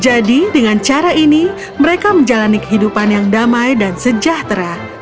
jadi dengan cara ini mereka menjalani kehidupan yang damai dan sejahtera